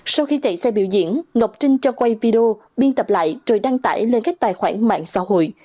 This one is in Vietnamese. sau khi chạy xe biểu diễn ngọc trinh cho quay video biên tập lại rồi đăng tải lên các tài khoản mạng xã hội